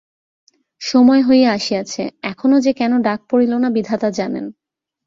সময় হইয়া আসিয়াছে, এখনাে যে কেন ডাক পড়িল না বিধাতা জানেন।